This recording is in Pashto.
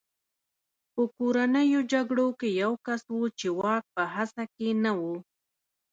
په کورنیو جګړو کې یو کس و چې واک په هڅه کې نه و